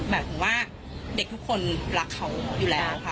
แบบว่าเด็กทุกคนรักเขาอยู่แล้วค่ะ